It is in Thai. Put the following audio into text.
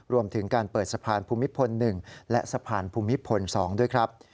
รวมถึงการเปิดสะพานภูมิพล๑และสะพานภูมิพล๒ด้วยครับ